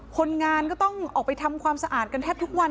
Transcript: คนงานก็ต้องออกไปทำความสะอาดกันแทบทุกวัน